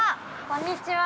こんにちは。